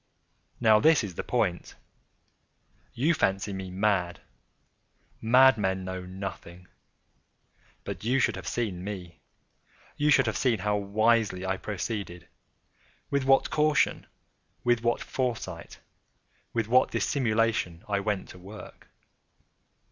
Now this is the point. You fancy me mad. Madmen know nothing. But you should have seen me. You should have seen how wisely I proceeded—with what caution—with what foresight—with what dissimulation I went to work!